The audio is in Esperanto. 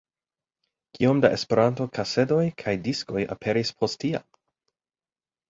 Kiom da Esperanto-kasedoj kaj diskoj aperis post tiam!